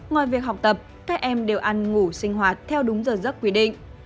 ngoài việc học tập các em đều ăn ngủ sinh hoạt theo đúng giờ giấc quy định